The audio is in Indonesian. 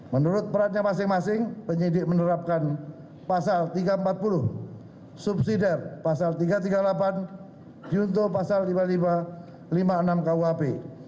menurut perannya masing masing penyidik menerapkan pasal tiga ratus empat puluh subsidi pasal tiga ratus tiga puluh delapan junto pasal lima ribu lima ratus lima puluh enam kuhp